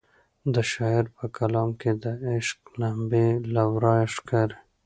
د شاعر په کلام کې د عشق لمبې له ورایه ښکاري.